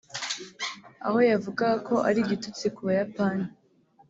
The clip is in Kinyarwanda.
aho yavugaga ko ari igitotsi ku bayapani